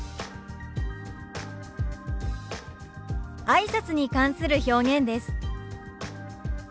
「あいさつ」に関する表現です。